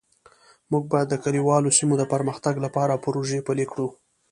موږ باید د کلیوالو سیمو د پرمختګ لپاره پروژې پلي کړو